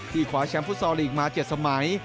ที่คว้าแชมป์ฟุตซอลอีกมา๗สมัย